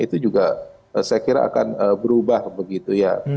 itu juga saya kira akan berubah begitu ya